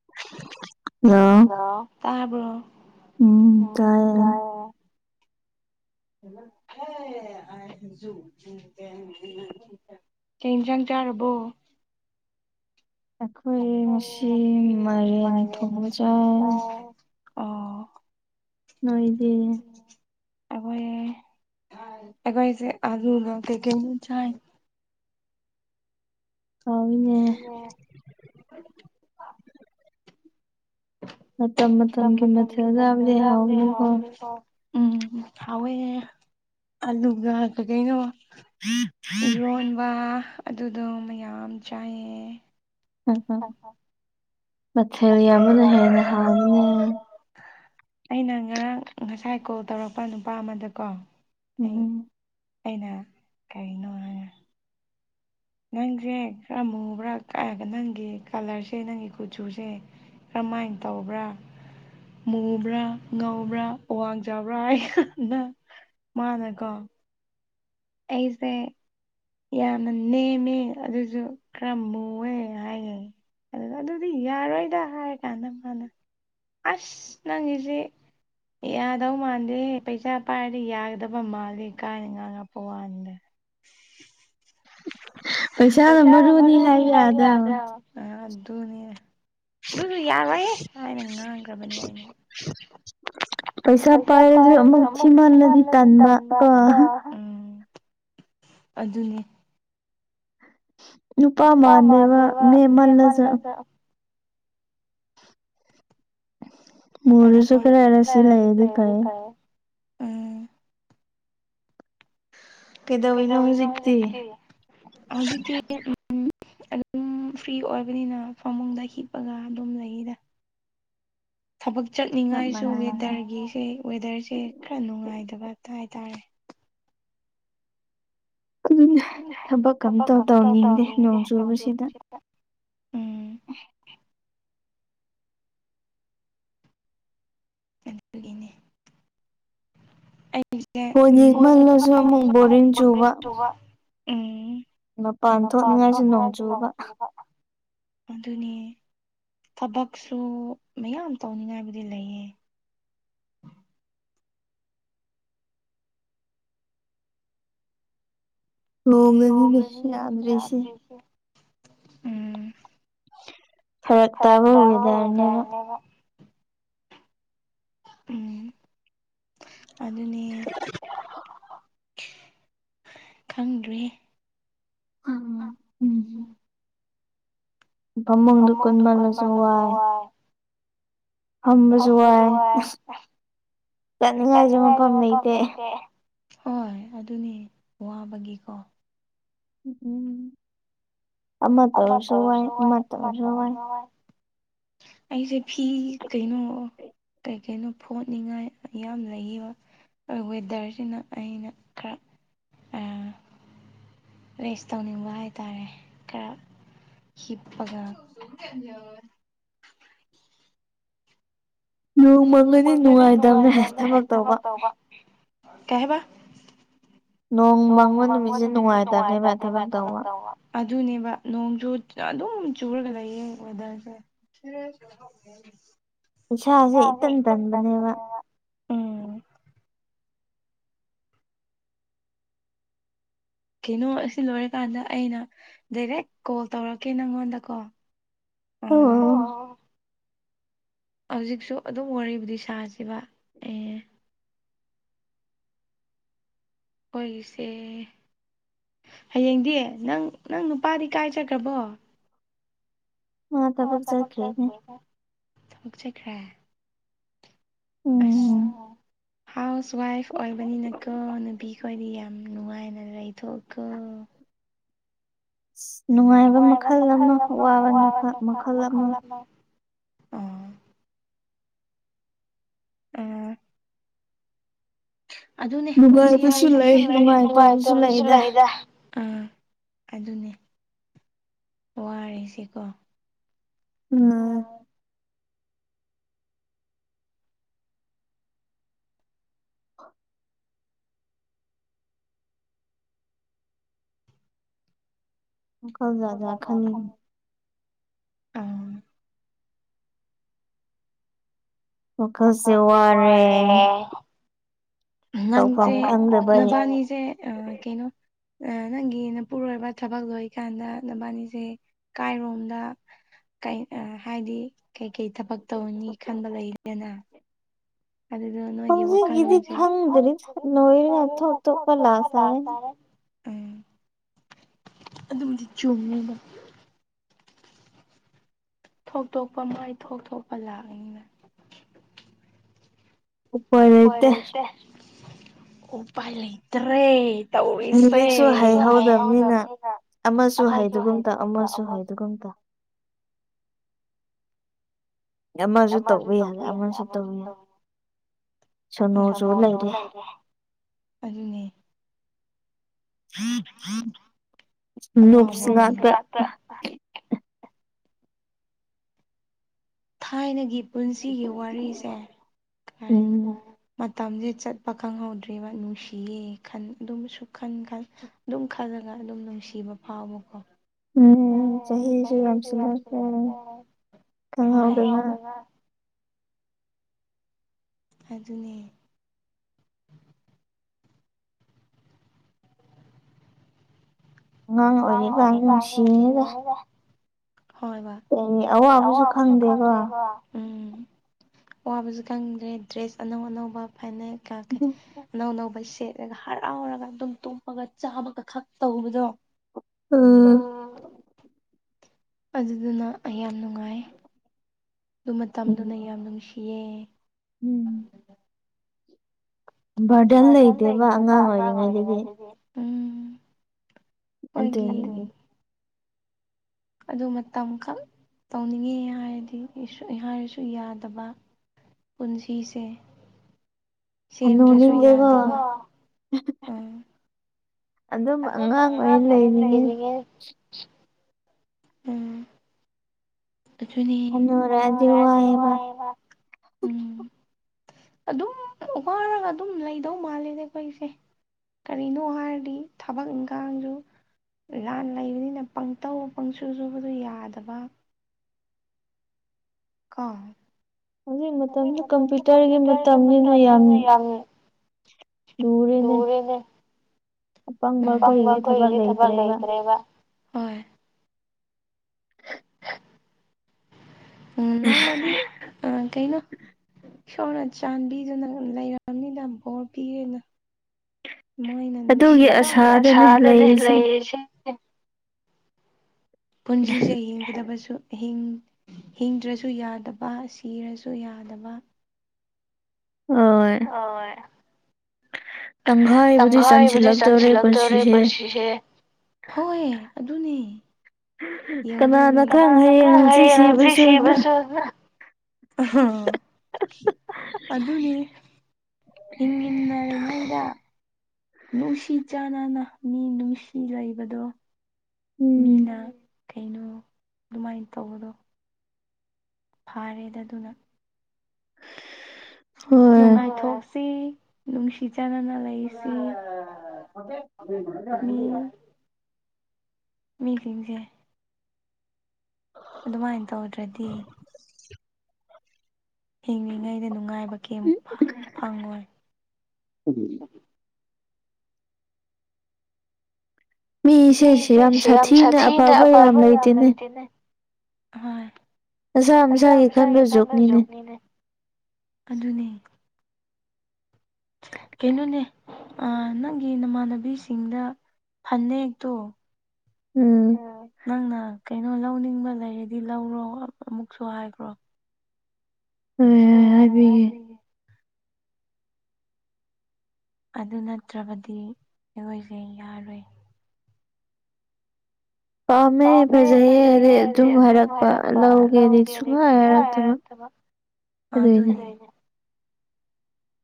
[unintelligible] hello ꯇꯕꯔꯣ ꯇꯥꯢꯌꯦ ꯑꯦꯦ ꯍꯖꯨ [inaudible] ꯀꯩ ꯌꯦꯟꯁꯥꯡ ꯆꯥꯔꯕꯣ ꯑꯩꯈꯣꯏ ꯉꯁꯤ ꯃꯥꯢꯔꯦꯟ ꯊꯣꯡꯕ ꯆꯥꯏ ꯑꯣ ꯅꯣꯏꯗꯤ ꯑꯩꯈꯣꯏ ꯑꯩꯈꯣꯏꯁꯦ ꯑꯂꯨ ꯀꯩꯀꯩ ꯅꯣ ꯆꯥꯏ ꯑꯣ [inaudible] ꯃꯇꯝ ꯃꯇꯝꯒꯤ ꯃꯊꯦꯜ ꯌꯥꯝꯕꯁꯤ ꯍꯥꯎꯕꯅꯤꯀꯣ ꯎꯝ ꯍꯥꯎꯋꯦ ꯑꯂꯨꯒ ꯀꯩꯀꯩꯅꯣ ꯎ [inaudible] ꯏꯔꯣꯟꯕ ꯑꯗꯨꯗꯣ ꯃꯌꯥꯝ ꯆꯥꯏꯑꯦ ꯎꯝ ꯃꯊꯦꯜ ꯌꯥꯝꯕꯗꯨꯅ ꯍꯦꯟꯅ ꯍꯥꯎꯅꯤꯍꯦ ꯑꯩꯅ ꯉꯔꯥꯡ ꯉꯁꯥꯏ ꯀꯣꯜ ꯇꯧꯔꯛꯄ ꯅꯨꯄꯥ ꯑꯃꯗꯀꯣ ꯑꯩ ꯑꯩꯅ ꯀꯔꯤꯅꯣ ꯍꯥꯏ ꯅꯪꯁꯦ ꯈꯔ ꯃꯨꯕ꯭ꯔꯥ ꯀ ꯅꯪꯒꯤ ꯀꯂꯔꯁꯦ ꯅꯪꯒꯤ ꯀꯨꯆꯨꯁꯦ ꯀꯃꯥꯏꯅ ꯇꯧꯕ꯭ꯔꯥ ꯃꯨꯕ꯭ꯔꯥ ꯉꯧꯕ꯭ꯔꯥ ꯋꯥꯡ ꯆꯎꯕ꯭ꯔꯥ ꯍꯥꯏꯅ ꯃꯥꯅ ꯀꯣ ꯑꯩꯁꯦ ꯌꯥꯝꯅ ꯅꯦꯝꯃꯦ ꯑꯗꯨꯁꯨ ꯈꯔ ꯃꯨꯑꯦ ꯍꯥꯏꯌꯦ ꯑꯗꯨꯗ ꯑꯗꯨꯗꯤ ꯌꯥꯔꯣꯏꯗ ꯍꯥꯏꯔꯀꯥꯟꯗ ꯃꯥꯅ ꯑꯁ ꯅꯪꯒꯤꯁꯦ ꯌꯥꯗꯧ ꯃꯥꯟꯗꯦ ꯄꯩꯁꯥ ꯄꯥꯏꯔꯗꯤ ꯌꯥꯒꯗꯕ ꯃꯥꯜꯜꯂꯦ ꯀꯥꯏꯅ ꯉꯥꯡꯉꯛꯄ ꯋꯥꯅꯤꯗ ꯄꯩꯁꯥꯅ ꯃꯔꯨꯅꯤ ꯍꯥꯏꯕ ꯌꯥꯗꯔꯣ ꯑ ꯑꯗꯨꯅꯦ ꯑꯗꯨꯁꯨ ꯌꯥꯔꯣꯏ ꯍꯥꯏꯅ ꯉꯥꯡꯈ꯭ꯔꯕꯅꯤ ꯑꯩꯅ ꯄꯩꯁꯥ ꯄꯥꯏꯔꯒ ꯑꯃꯨꯛ ꯊꯤ ꯃꯥꯜꯂꯗꯤ ꯇꯥꯟꯕ ꯒꯣ ꯎꯝ ꯑꯗꯨꯅꯦ ꯅꯨꯄꯥ ꯃꯥꯟꯗꯦꯕ ꯅꯦꯝꯃꯜꯂꯁꯨ ꯃꯔꯁꯨ ꯈꯔ ꯔꯥꯁꯤ ꯂꯩꯔꯗꯤ ꯐꯩ ꯀꯩꯗꯧꯔꯤꯅꯣ ꯍꯧꯖꯤꯛꯇꯤ ꯍꯧꯖꯤꯛꯇꯤ ꯑꯗꯨꯝ ꯐ꯭ꯔꯤ ꯑꯣꯏꯕꯅꯤꯅ ꯐꯃꯨꯡꯗ ꯍꯤꯛꯄꯒ ꯑꯗꯨꯝ ꯂꯩꯔꯤꯗ ꯊꯕꯛ ꯆꯠꯅꯤꯡꯉꯥꯏꯁꯨ ꯋꯦꯗꯔꯒꯤꯁꯦ ꯋꯦꯗꯔꯁꯦ ꯈꯔ ꯅꯨꯡꯉꯥꯏꯗꯕ ꯍꯥꯏꯇꯥꯔꯦ ꯑꯗꯨꯅꯦ ꯊꯕꯛꯒ ꯑꯝꯇ ꯇꯧꯅꯤꯡꯗꯦ ꯅꯣꯡ ꯆꯨꯕꯁꯤꯗ ꯑꯣ [inaudible] ꯎ [inaudible] ꯑꯗꯨꯒꯤꯅꯦ ꯐꯣꯜ ꯌꯦꯡꯃꯜꯂꯁꯨ ꯑꯃꯨꯛ ꯕꯣꯔꯤꯡ ꯆꯨꯕ ꯎꯝ ꯃꯄꯥꯟ ꯊꯣꯛꯅꯤꯡꯉꯥꯏꯒꯤ ꯅꯧꯁꯤꯡꯕ [inaudible] ꯑꯗꯨꯅꯦ ꯊꯕꯛꯁꯨ ꯃꯌꯥꯝ ꯇꯧꯅꯤꯡꯉꯥꯏꯕꯨꯗꯤ ꯂꯩꯌꯦ ꯅꯨꯡꯅꯅꯤꯅꯦ ꯌꯥꯗ꯭ꯔꯦꯁꯦ ꯐꯔꯛ ꯇꯥꯕ ꯋꯦꯗꯔꯅꯦꯕ ꯎꯝ ꯑꯗꯨꯅꯦ [unintelligible] ꯈꯪꯗ꯭꯭ꯔꯤ ꯑ ꯎꯝ [unintelligible] ꯐꯃꯨꯡꯗꯨ ꯀꯨꯟꯃꯜꯂꯁꯨ ꯋꯥꯏ ꯐꯝꯕꯁꯨ ꯋꯥꯏ ꯆꯥꯠꯅꯤꯡꯉꯥꯏꯁꯨ ꯃꯐꯝ ꯂꯩꯇꯦ ꯍꯣꯏ ꯑꯗꯨꯅꯤ ꯋꯥꯕꯒꯤꯀꯣ ꯎꯝ ꯑꯃ ꯇꯧꯁꯨ ꯋꯥꯏ ꯑꯃ ꯇꯧꯁꯨ ꯋꯥꯏ ꯑꯩꯁꯦ ꯐꯤ ꯀꯩꯅꯣ ꯀꯩ ꯀꯅꯣ ꯐꯣꯠꯅꯤꯡꯉꯥꯏ ꯌꯥꯝ ꯂꯩꯕ ꯋꯦꯗꯔꯁꯤꯅ ꯑꯩꯅ ꯈꯔ ꯔꯦꯁ ꯇꯧꯅꯤꯡꯕ ꯍꯥꯏꯇꯥꯔꯦ ꯈꯔ ꯍꯤꯞꯄꯒ ꯅꯣꯡ ꯃꯪꯒꯗꯤ ꯅꯨꯡꯉꯥꯏꯇꯕꯅꯦ ꯊꯕꯛ ꯇꯧꯕ ꯀꯩ ꯍꯥꯏꯕ ꯅꯣꯡ ꯃꯪꯕ ꯅꯨꯃꯤꯠꯁꯦ ꯅꯨꯡꯉꯥꯏꯇꯅꯦꯕ ꯊꯕꯛ ꯇꯧꯕ ꯑꯗꯨꯅꯦꯕ ꯅꯣꯡꯁꯨꯨ ꯑꯗꯨꯝ ꯆꯨꯔꯒ ꯂꯩꯌꯦ ꯋꯦꯗꯔꯁꯦ [unintelligible] [unintelligible] ꯆꯠꯄꯅꯦꯕꯥ ꯀꯩꯅꯣ ꯑꯁꯤ ꯂꯣꯏꯔꯀꯥꯟꯗ ꯑꯩꯅ ꯗꯥꯏꯔꯦꯛ ꯀꯣꯜ ꯇꯧꯔꯛꯀꯦ ꯅꯪꯉꯣꯟꯗ ꯀꯣ ꯑꯣ ꯍꯧꯖꯤꯛꯁꯨ ꯑꯗꯨꯝ ꯋꯥꯔꯤꯕꯨꯗꯤ ꯁꯥꯁꯤꯕ ꯑꯦ ꯑꯩꯈꯣꯏꯒꯤꯁꯦ ꯍꯌꯦꯡꯗꯤ ꯅꯪ ꯅꯪ ꯅꯨꯄꯥꯗꯤ ꯀꯥꯏ ꯆꯠꯈ꯭ꯔꯕꯣ ꯃꯥ ꯊꯕꯛ ꯆꯠꯈꯔ꯭ꯦꯅꯦ ꯊꯣꯛꯆꯈ꯭ꯔꯦ ꯑꯁ ꯍꯥꯎꯁ ꯋꯥꯏꯐ ꯑꯣꯏꯕꯅꯤꯅꯀꯣ ꯅꯨꯄꯤ ꯑꯩꯈꯣꯏꯗꯤ ꯌꯥꯝ ꯅꯨꯡꯉꯥꯏꯅ ꯂꯩꯊꯣꯛꯈꯣ ꯅꯨꯡꯉꯥꯏꯕ ꯃꯈꯜ ꯑꯃ ꯑꯋꯥꯕ ꯃꯈꯜ ꯑꯃ ꯑꯦ ꯑꯗꯨꯅꯦ ꯄꯨꯟꯁꯤ ꯍꯥꯏꯁꯤꯁꯨ ꯅꯨꯡꯉꯥꯏ ꯕꯁꯨ ꯂꯩ ꯅꯨꯡꯉꯥꯏꯇꯕꯁꯨ ꯂꯩꯗ ꯑꯥ ꯑꯗꯨꯅꯦ ꯋꯥꯔꯤꯔꯁꯤꯀꯣ ꯍꯂꯥꯎ ꯋꯥꯈꯜ ꯖꯥꯠ ꯖꯥꯠ ꯈꯡꯉꯦ ꯥꯁꯦ ꯋꯥꯔꯦ ꯅꯪꯁꯦ [unintelligible] [unintelligible] ꯅꯕꯅꯤꯁꯦ [unintelligible] ꯀꯩꯅꯣ ꯅꯪꯒꯤ ꯃꯄꯨꯔꯣꯏꯕ ꯊꯕꯛ ꯂꯣꯏꯀꯥꯟꯗ ꯅꯕꯥꯅꯤꯁꯦ ꯀꯥꯏꯔꯣꯝꯗ ꯍꯥꯏꯗꯤ ꯀꯩꯀꯩ ꯊꯕꯛ ꯇꯧꯅꯤ ꯈꯟꯕ ꯂꯩꯗꯅ ꯑꯗꯨꯗꯨ ꯅꯣꯏꯒꯤ ꯋꯥ [unintelligible] [unintelligible] [unintelligible] [unintelligible] ꯑꯝ ꯑꯗꯨꯕꯨꯗꯤ ꯆꯨꯝꯃꯤꯅꯦ ꯊꯣꯛꯇꯣꯛꯄ ꯃꯥꯏ ꯊꯣꯛ ꯊꯣꯛꯄ ꯂꯥꯛꯑꯅꯤꯅ ꯎꯄꯥꯏ ꯂꯩꯇꯦ ꯎꯄꯥꯏ ꯂꯩ ꯂꯩꯇ꯭ꯔꯦ ꯇꯧꯔꯤꯁꯦ [unintelligible] [unintelligible] ꯍꯧꯍꯧꯗꯕꯅꯤꯅ ꯑꯃꯁꯨ ꯍꯩꯇꯒꯨꯝ ꯇꯧ ꯑꯃꯁꯨ ꯑꯃꯁꯨ ꯇꯧꯕ ꯌꯥꯗꯦ ꯑꯃꯁꯨ ꯇꯧꯕ ꯌꯥꯗꯦ ꯁꯣꯅꯣ ꯆꯨ ꯂꯩꯔꯦ ꯑꯗꯨꯒꯤꯅꯦ ꯅꯨꯕ꯭ꯁ ꯉꯥꯛꯇꯥ ꯊꯥꯏꯅꯒꯤ ꯄꯨꯟꯁꯤꯒꯤ ꯋꯥꯔꯤꯁꯦ ꯀꯔꯤꯅꯣ ꯃꯇꯝꯁꯦ ꯆꯠꯄ ꯈꯪꯍꯧꯗ꯭ꯔꯦꯕ ꯅꯨꯡꯁꯤꯌꯦ ꯈꯟ ꯑꯗꯨꯝꯕꯁꯨ ꯈꯟ ꯈꯟ ꯑꯗꯨꯝ ꯈꯜꯂꯒ ꯑꯗꯨꯝ ꯅꯨꯡꯁꯤꯕ ꯐꯥꯎꯕꯀꯣ ꯎꯝ ꯆꯍꯤꯁꯨ ꯌꯥꯝ ꯁꯤꯜꯂꯛ ꯂꯩꯔꯦ ꯈꯪꯍꯧꯗꯅ ꯑꯗꯨꯅꯦ ꯑꯉꯥꯡ ꯑꯣꯏꯔꯤꯀꯥꯟ ꯅꯨꯡꯁꯤꯅꯤ ꯗꯥ ꯍꯣꯏ ꯕꯥ ꯑꯋꯥꯕꯁꯨ ꯈꯪꯗꯦꯀꯣ ꯎꯝ ꯋꯥꯕꯁꯨ ꯀꯪꯗ꯭ꯔꯦ ꯗ꯭ꯔꯦꯁ ꯑꯅꯧ ꯑꯅꯧꯕ ꯐꯅꯦꯛ ꯀ ꯀꯦ ꯅꯅꯧ ꯅꯎꯧꯕꯩꯁꯦ ꯑꯗꯨꯒ ꯍꯔꯥꯎꯔꯒ ꯑꯗꯨꯝ ꯇꯨꯝꯄꯒ ꯆꯥꯕꯒ ꯈꯛ ꯇꯧꯕꯗꯣ ꯑꯥ ꯑꯗꯨꯗꯨꯅ ꯑꯩ ꯌꯥꯝ ꯅꯨꯡꯉꯥꯏ ꯑꯗꯨ ꯃꯇꯝꯗꯨꯅ ꯌꯥꯝ ꯅꯨꯡꯁꯤꯌꯦ ꯎꯝ ꯕꯔꯗꯟ ꯂꯩꯇꯦꯕ ꯑꯉꯥꯡ ꯑꯣꯏꯔꯤꯉꯩꯗꯗꯤ ꯎꯝ ꯑꯗꯨꯅꯦ ꯑꯗꯨ ꯃꯇꯝꯈꯛ ꯇꯧꯅꯤꯡꯉꯦ ꯍꯥꯏꯔꯗꯤ ꯍꯥꯏꯔꯁꯨ ꯌꯥꯗꯕ ꯄꯨꯟꯁꯤꯁꯦ ꯁꯦꯝꯗ꯭ꯔꯁꯨ ꯌꯥꯗꯕ ꯑꯝ ꯑꯗꯨꯝ ꯑꯉꯥꯡ ꯑꯣꯏ ꯂꯩꯔꯤꯉꯩ ꯎꯝ ꯑꯗꯨꯅꯤꯅꯔ ꯋꯥꯕ ꯎꯝ ꯑꯗꯨꯝ ꯋꯥ ꯋꯥꯔꯒ ꯑꯗꯨꯝ ꯂꯩꯗꯧ ꯃꯥꯜꯂꯦꯅꯦ ꯑꯩꯈꯣꯏꯁꯦ ꯀꯔꯤꯅꯣ ꯍꯥꯏꯔꯗꯤ ꯊꯕꯛ ꯏꯪꯈꯥꯡꯁꯨ ꯂꯥꯟ ꯂꯩꯕꯅꯤꯅ ꯄꯪꯇꯧ ꯄꯪꯁꯨ ꯁꯨꯕꯗꯨ ꯌꯥꯗꯕ ꯀ ꯑꯗꯨ ꯃꯇꯝꯗ ꯀꯝꯄ꯭ꯌꯨꯇꯔꯒꯤ ꯃꯇꯝꯅꯤꯅ ꯌꯥꯝ ꯂꯔꯅꯦ ꯑꯄꯪꯕ ꯑꯩꯈꯣꯏꯒꯤꯗꯤ ꯊꯕꯛ ꯂꯩꯇ꯭ꯔꯦꯕ ꯎꯝ ꯅꯣꯡꯣꯡ ꯃꯥꯗꯤ ꯑ ꯀꯩꯩꯅꯣ ꯏꯁꯣꯔꯅ ꯆꯥꯟꯕꯤꯗꯨꯅ ꯂꯩꯔꯕꯝꯅꯤꯅ ꯕꯣꯔ ꯄꯤꯔꯦꯅ ꯅ ꯅꯨꯡꯁꯤ ꯑꯗꯨꯒꯤ ꯑꯁꯥꯗꯅꯦ ꯂꯩꯔꯤꯁꯦ ꯄꯨꯟꯁꯤꯁꯦ ꯌꯦꯡꯒꯗꯕꯁꯨ ꯤꯡ ꯍꯤꯡꯗ꯭ꯔꯁꯨ ꯌꯥꯗꯕ ꯁꯤꯔꯁꯨ ꯌꯥꯗꯕ ꯑꯣ ꯍ ꯇꯪꯈꯥꯏꯕꯨꯗꯤ ꯆꯟꯁꯤꯜꯂꯛꯇꯣꯔꯦ ꯄꯨꯟꯁꯤꯁꯦ ꯍꯣꯏ ꯑꯗꯨꯅꯤ ꯅ ꯍꯌꯦꯁꯤ ꯁꯤꯕꯁꯨꯅ ꯑ [unintelligible] ꯑꯗꯨꯅꯤ ꯍꯤꯡ ꯏꯟꯅꯔꯤꯉꯩꯗ ꯅꯨꯡꯁꯤ ꯆꯥꯟꯅꯅ ꯃꯤ ꯅꯨꯡꯁꯤ ꯂꯩꯕꯗꯣ ꯃꯤꯅ ꯀꯩꯅꯣ ꯑꯗꯨꯃꯥꯏꯅ ꯇꯧꯕꯗꯣ ꯐꯥꯔꯦꯗ ꯑꯗꯨꯅ ꯍꯣꯏ ꯅꯨꯡꯉꯥꯏꯊꯣꯛꯁꯤ ꯅꯨꯡꯁꯤ ꯆꯥꯟꯅꯅ ꯂꯩ ꯁꯤ ꯅꯅꯤꯜ ꯃꯤꯁꯤꯡꯁꯦ ꯑꯗꯨꯃꯥꯏꯅ ꯇꯧꯗ꯭ꯔꯗꯤ ꯍꯤꯡꯂꯤꯉꯩꯗ ꯅꯨꯡꯉꯥꯏꯕ ꯀꯦꯝ ꯐꯪꯉꯣꯏ ꯎꯝ ꯃꯤꯁꯁꯤ ꯌꯥꯝ ꯁꯥꯊꯤꯅ ꯑꯐꯕ ꯌꯥꯝ ꯂꯩꯇꯦꯅꯦ ꯅꯁꯥ ꯃꯁꯥꯒꯤ ꯈꯟꯕ ꯖꯨꯛꯅꯤꯅꯦ ꯑꯗꯨꯅꯤ ꯀꯩꯅꯣꯅꯦ ꯅꯪꯒꯤ ꯅꯃꯥꯟꯅꯕꯤꯁꯤꯡꯗ ꯐꯅꯤꯛꯇꯣ ꯎꯝ ꯅꯪꯅ ꯀꯩꯅꯣ ꯂꯧꯅꯤꯡꯕ ꯂꯩꯔꯗꯤ ꯂꯧꯔꯣ ꯑꯃꯨꯛꯁꯨ ꯍꯥꯏꯈ꯭ꯔꯣ ꯎꯝ ꯑꯣ ꯍꯥꯏꯕꯤ ꯑꯗꯨ ꯅꯠꯇ꯭ꯔꯕꯗꯤ ꯑꯩꯈꯣꯏꯁꯦ ꯌꯥꯔꯣꯏ ꯄꯥꯝꯃꯦ ꯐꯖꯩꯌꯦꯦ ꯍꯥꯏꯗꯤ ꯑꯗꯨꯝ ꯍꯥꯏꯔꯛꯄ ꯂꯧꯒꯦꯗꯤ ꯁꯨꯡꯍ ꯍꯥꯏꯔꯛꯇꯕ ꯑꯗꯨ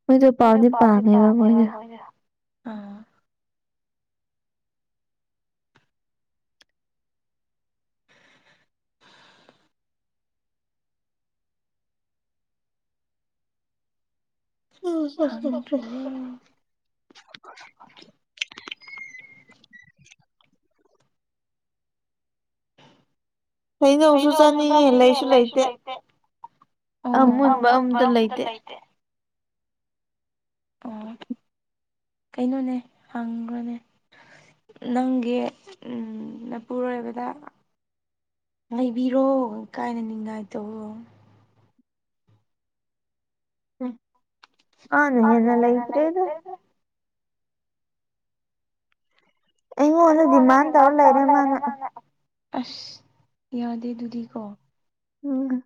ꯃꯣꯏꯗꯣ ꯄꯥꯎꯗꯤ ꯄꯥꯝꯃꯦꯕ ꯃꯣꯏꯗ ꯑꯥ ꯑꯠꯇ꯭ꯔꯒꯤ ꯀꯩꯩꯅ ꯑꯣꯁꯨ ꯆꯅꯤꯅꯦ ꯂꯩ ꯏꯁꯨ ꯂꯩꯥꯏꯇ ꯃꯨꯟꯕ ꯑꯝꯇ ꯂꯩꯇꯦ ꯑꯣ ꯀꯩꯅꯣꯅꯦ ꯍꯪꯈ꯭ꯔꯅꯦ ꯅꯪꯒꯤ ꯎꯝ ꯃꯄꯨꯔꯣꯏꯕꯗ ꯂꯩꯕꯤꯔꯣ ꯀꯥꯏꯅ ꯅꯤꯡꯉꯥꯏ ꯇꯧ ꯑꯅꯦ ꯍꯦꯅꯦꯂ ꯏ꯭ꯔꯦ ꯏ ꯑꯩꯉꯣꯟꯗ ꯗꯤꯃꯥꯟ ꯇꯧꯔ ꯂꯩꯔꯦ ꯃꯥꯅ ꯑꯁ ꯌꯥꯗꯦ ꯑꯗꯨꯗꯤ ꯀꯣ ꯎꯝ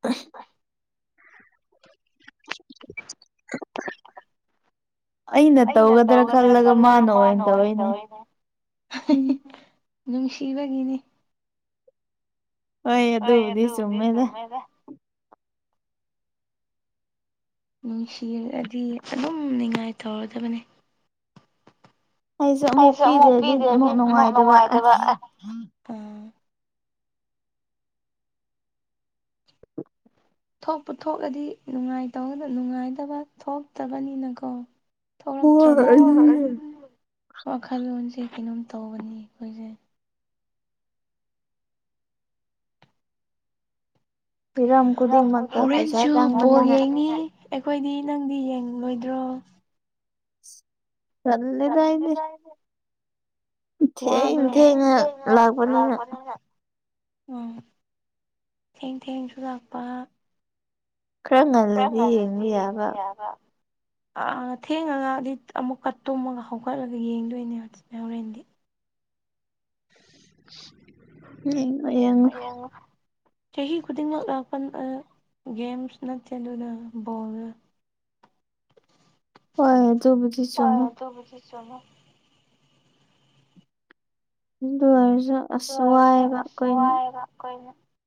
ꯇ [inaudible] ꯑꯩꯅ ꯇꯧꯒꯗ꯭ꯔꯥ ꯈꯜꯂꯒ ꯃꯥꯅ ꯑꯣꯏꯅ ꯇꯧꯔꯤꯅꯦ ꯅꯨꯡꯁꯤꯕꯒꯤꯅꯤ ꯀꯣꯏ ꯑꯗꯨꯗꯤ ꯆꯨꯝꯃꯦꯗ ꯅꯨꯡꯁꯤꯔꯑꯗꯤ ꯑꯗꯨꯝ ꯉꯥꯏ ꯇꯧꯔꯗꯕꯅꯤ ꯑꯩꯁꯨꯦ ꯑꯃꯨꯛ ꯄꯤꯗꯦꯗꯤ ꯑꯃꯨꯛ ꯅꯨꯡꯉꯥꯏꯇꯕ ꯍꯝ ꯊꯣꯛꯄꯨ ꯊꯣꯛꯂꯗꯤ ꯅꯨꯡꯉꯥꯏꯇ ꯅꯨꯡꯉꯥꯏꯇꯕ ꯊꯣꯛꯇꯕꯅꯤꯅꯀꯣ ꯊꯣꯛꯂꯛꯇ꯭ꯔꯕꯅꯤ ꯋꯥꯈꯜꯂꯣꯟꯁꯦ ꯀꯩꯅꯣꯝ ꯇꯧꯕꯅꯤ ꯑꯩꯈꯣꯏꯁꯦ ꯍꯣꯔꯦꯟꯁꯨ ꯕꯣꯜ ꯌꯦꯡꯉꯤ ꯑꯩꯈꯣꯏꯗꯤ ꯅꯪꯗꯤ ꯌꯦꯡꯂꯡ ꯂꯣꯏꯗ꯭ꯔꯣ ꯆꯂꯦꯗ ꯏꯗꯤ ꯋꯥꯕ ꯀ ꯂꯥꯛꯄꯅꯤꯅꯦ ꯎꯝ ꯊꯦꯡ ꯊꯦꯡꯁꯨ ꯂꯥꯛꯄ ꯀ ꯉꯂꯗꯤ ꯌꯦꯡꯗꯤ ꯌꯥꯔ ꯑ ꯊꯦꯡꯉꯒ ꯑꯗꯨ ꯑꯃꯨꯛꯀ ꯇꯨꯝꯃꯒ ꯍꯧꯒꯠꯂꯒ ꯌꯦꯡꯗꯣꯏꯅꯦ ꯍꯧꯖꯤ ꯍꯣꯔꯦꯟꯗꯤ ꯎ ꯐ ꯆꯍꯤ ꯈꯨꯗꯤꯡꯃꯛ ꯂꯥꯛꯄ ꯒꯦꯝꯁ ꯅꯠꯇꯦ ꯑꯗꯨꯅ ꯕꯣꯜ ꯍꯣꯏ ꯑꯗꯨ ꯁꯤ ꯆꯅ ꯑꯗꯨ ꯑꯣꯏꯔꯁꯨ ꯑꯁ ꯋꯥꯏꯑꯦꯕ ꯑꯩꯈꯣꯏꯅ